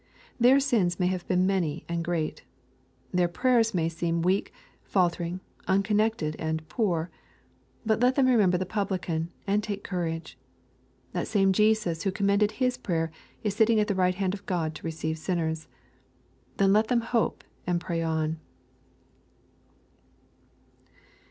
Their sins may have been many and great. Their prayers may seem weak, faltering, unconnected, and poor. But let them remember the publican, and take courage. That same Jesus who commended his prayer is sitting at the right hand of God to receive sinners. Then let them hope and pray on.